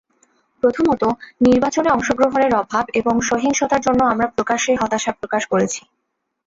প্রথমত, নির্বাচনে অংশগ্রহণের অভাব এবং সহিংসতার জন্য আমরা প্রকাশ্যেই হতাশা প্রকাশ করেছি।